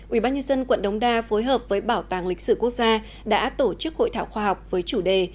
ubnd quận đống đa phối hợp với bảo tàng lịch sử quốc gia đã tổ chức hội thảo khoa học với chủ đề